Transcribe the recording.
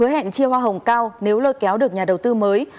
để chia hoa hồng cao nếu lơ kéo được nhà đầu tư mới